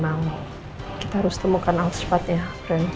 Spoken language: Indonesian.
jadi memang kita harus temukan al secepatnya keren